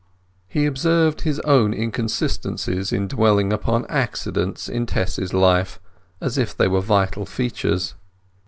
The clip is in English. He observed his own inconsistencies in dwelling upon accidents in Tess's life as if they were vital features.